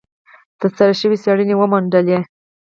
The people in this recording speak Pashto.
ترسره شوې څېړنې وموندلې،